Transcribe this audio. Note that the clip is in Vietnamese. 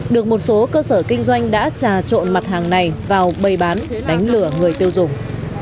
được một số cơ sở kinh doanh đã trà trộn mặt hàng này vào bày bán đánh lửa người tiêu dùng